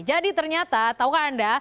jadi ternyata tau kan anda